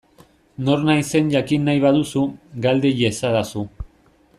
Nor naizen jakin nahi baduzu, galde iezadazu.